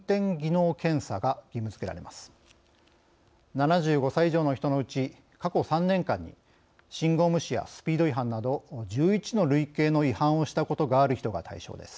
７５歳以上の人のうち過去３年間に信号無視やスピード違反など１１の類型の違反をしたことがある人が対象です。